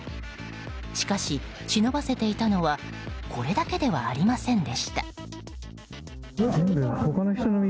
しかし、忍ばせていたのはこれだけではありませんでした。